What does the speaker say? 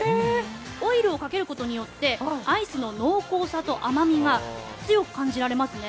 オイルをかけることによってアイスの濃厚さと甘味が強く感じられますね。